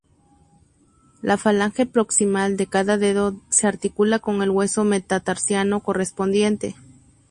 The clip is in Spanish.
La falange proximal de cada dedo se articula con el hueso metatarsiano correspondiente.